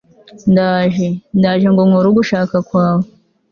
ndaje), ndaje ngo nkore ugushaka kwawe